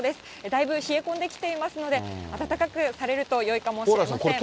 だいぶ冷え込んできていますので、暖かくされるとよいかもしれません。